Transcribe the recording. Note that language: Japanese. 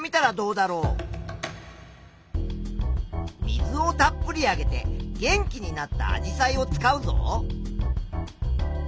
水をたっぷりあげて元気になったアジサイを使うぞ。